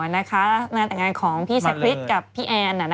งานแต่งงานของพี่สคริสกับพี่แอน